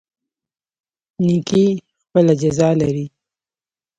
نیکي خپله جزا لري